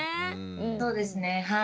そうですねはい。